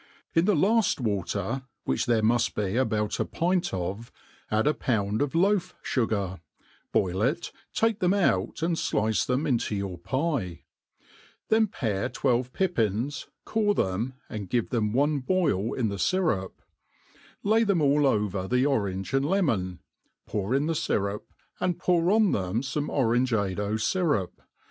In thf laft water, which there miiii be about a pint pf, add a poupd ot loafffugar, boil it, tajce thfjm oi^t and flico them into your pie \ then pare twelve pippins, core them, and| ' give them one boil in the fyrup; lay them afl oyer the orange and lemon^ pour in the fyrup, and ppur op them fome orange* ado fyrup.